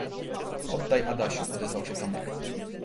"„Oddaj, Adasiu!“ odezwał się Tomek."